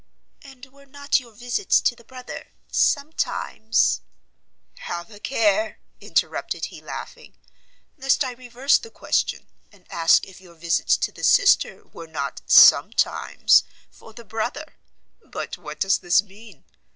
"And were not your visits to the brother sometimes " "Have a care," interrupted he, laughing, "lest I reverse the question, and ask if your visits to the sister were not sometimes for the brother! But what does this mean?